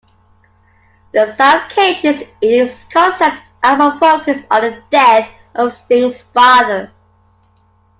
"The Soul Cages" is a concept album focused on the death of Sting's father.